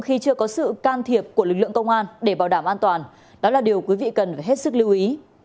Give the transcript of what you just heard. khi chưa có sự can thiệp của lực lượng công an để bảo đảm an toàn đó là điều quý vị cần phải hết sức lưu ý